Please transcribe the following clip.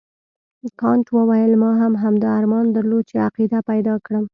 کانت وویل ما هم همدا ارمان درلود چې عقیده پیدا کړم.